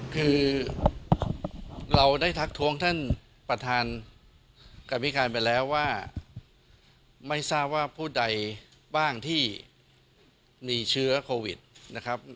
คือเราได้ทักท้วงท่านประธานกรรมพิการไปแล้วว่าไม่ทราบว่าผู้ใดบ้างที่มีเชื้อโควิดนะครับ